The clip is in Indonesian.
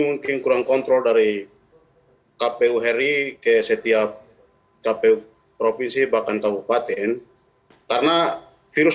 mungkin kurang kontrol dari kpu hari ke setiap kpu provinsi bahkan kabupaten karena virus